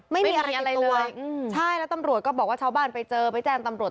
ไม่มีอะไรตัวใช่แล้วตำรวจก็บอกว่าชาวบ้านไปเจอไปแจ้งตำรวจ